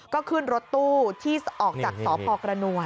ก็ขึ้นรถตู้ที่ออกจากสพกระนวล